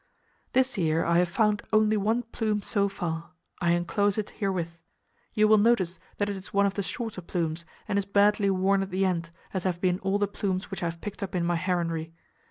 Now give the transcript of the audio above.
This year I have found only one plume so far. I enclose it herewith. You will notice that it is one of the shorter plumes, and is badly worn at the end, as have been all the plumes which I have picked up in my heronry.